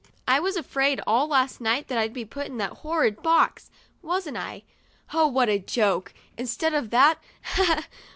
I was afraid all last night that I'd be put in that horrid box, wasn't I? Oh, what a joke! Instead of that, ha, ha!